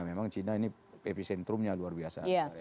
memang china ini efisientrumnya luar biasa